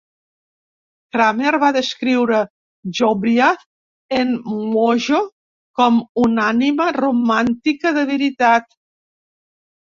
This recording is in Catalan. Kramer va descriure Jobriath en "Mojo" com "una ànima romàntica de veritat".